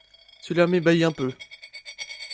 Cela m'ébahit un peu.